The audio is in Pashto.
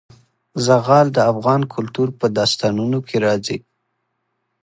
زغال د افغان کلتور په داستانونو کې راځي.